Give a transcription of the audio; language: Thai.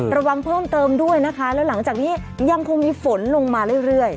ระวังเพิ่มเติมด้วยนะคะแล้วหลังจากนี้ยังคงมีฝนลงมาเรื่อย